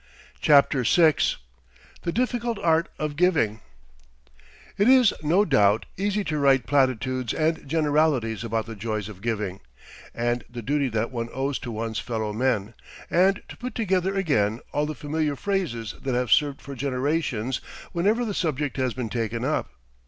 CHAPTER VI THE DIFFICULT ART OF GIVING It is, no doubt, easy to write platitudes and generalities about the joys of giving, and the duty that one owes to one's fellow men, and to put together again all the familiar phrases that have served for generations whenever the subject has been taken up.